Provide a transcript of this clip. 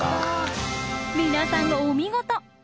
皆さんお見事！